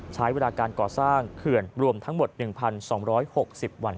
ใช้เวลาการก่อสร้างเขื่อนรวมทั้งหมด๑๒๖๐วัน